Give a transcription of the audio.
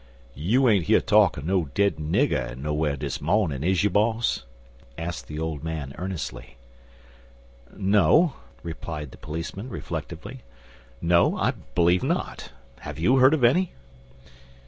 "You ain't hear talk er no dead nigger nowhar dis mawnin', is you, boss?" asked the old man earnestly. "No," replied the policeman, reflectively. "No, I believe not. Have you heard of any?"